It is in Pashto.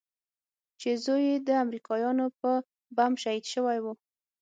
چې زوى يې د امريکايانو په بم شهيد سوى و.